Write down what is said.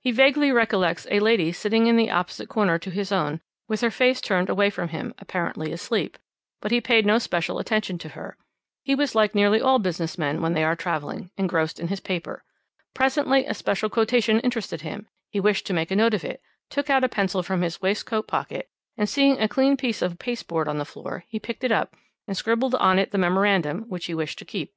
He vaguely recollects a lady sitting in the opposite corner to his own, with her face turned away from him, apparently asleep, but he paid no special attention to her. He was like nearly all business men when they are travelling engrossed in his paper. Presently a special quotation interested him; he wished to make a note of it, took out a pencil from his waistcoat pocket, and seeing a clean piece of paste board on the floor, he picked it up, and scribbled on it the memorandum, which he wished to keep.